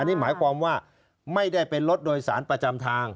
นี่หมายความว่าไม่ได้เป็นรถโดยสารประจำทาง